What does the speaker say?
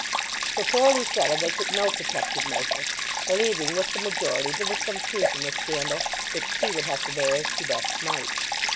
For poor Lucetta they took no protective measure, believing with the majority there was some truth in the scandal, which she would have to bear as she best might.